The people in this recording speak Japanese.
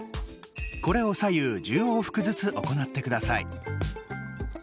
これを左右１０往復ずつ行ってください。